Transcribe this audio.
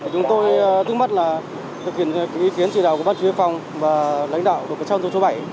chúng tôi thức mắt là thực hiện ý kiến chỉ đạo của bác chủ yếu phòng và lãnh đạo của trang dân chỗ bảy